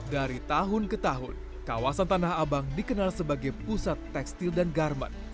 dari tahun ke tahun kawasan tanah abang dikenal sebagai pusat tekstil dan garmen